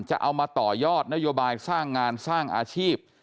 จะเอามาต่อยอดนโยบายสร้างงานสร้างอาชีพ